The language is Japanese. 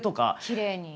きれいに。